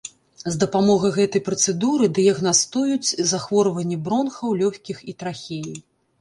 З дапамогай гэтай працэдуры дыягнастуюць захворванні бронхаў, лёгкіх і трахеі.